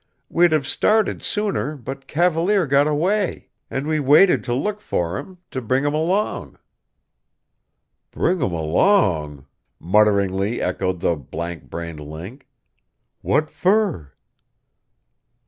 We'd have started sooner, but Cavalier got away. And we waited to look for him to bring him along." "Bring him along?" mutteringly echoed the blankbrained Link. "What fer?"